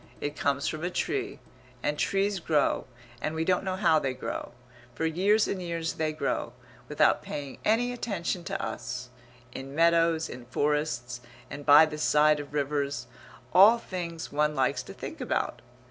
It comes from a tree; and trees grow, and we don't know how they grow. For years and years they grow, without paying any attention to us, in meadows, in forests, and by the side of rivers all things one likes to think about.